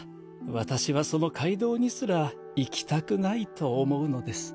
私はその街道にすら行きたくないと思うのです。